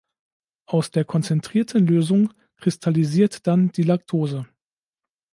Aus der konzentrierten Lösung kristallisiert dann die Lactose.